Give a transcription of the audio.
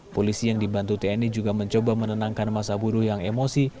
polisi yang dibantu tni juga mencoba menenangkan masa buruh yang emosi